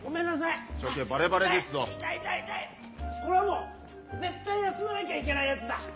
これはもう絶対休まなきゃいけないやつだ。